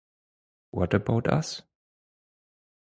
What About Us?